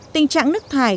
tình trạng nước thải